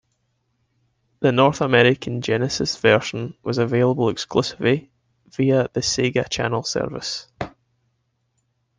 The North American Genesis version was available exclusively via the Sega Channel service.